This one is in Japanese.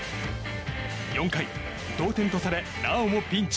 ４回、同点とされなおもピンチ。